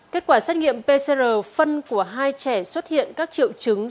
kết quả xét nghiệm pcr phân của hai trẻ xuất hiện các triệu chứng